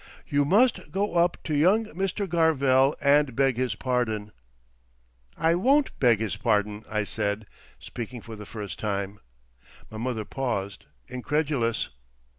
"You must go up to young Mr. Garvell, and beg his pardon." "I won't beg his pardon," I said, speaking for the first time. My mother paused, incredulous.